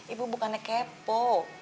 ibu bukannya kepo